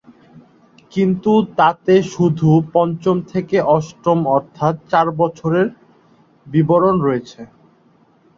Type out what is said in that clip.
কিন্তু তাতে শুধু পঞ্চম থেকে অষ্টম অর্থাৎ চার বছরের বিবরণ রয়েছে।